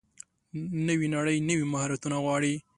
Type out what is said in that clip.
نوې نړۍ نوي مهارتونه غواړي.